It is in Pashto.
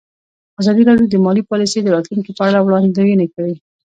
ازادي راډیو د مالي پالیسي د راتلونکې په اړه وړاندوینې کړې.